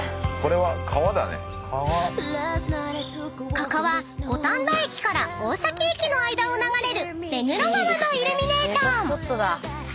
［ここは五反田駅から大崎駅の間を流れる目黒川のイルミネーション］